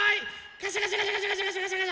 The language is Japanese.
カシャカシャカシャカシャ。